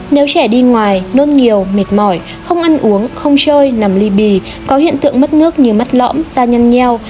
nếu trẻ đi ngoài nôn nhiều mệt mỏi không ăn uống không chơi nằm ly bì có hiện tượng mất nước như mắt lõm da nhân nheo